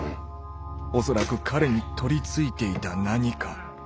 恐らく彼に取り憑いていた「何か」。